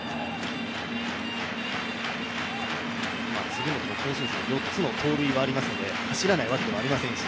杉本は今シーズン、４つの盗塁もありますので走らないわけではありませんし。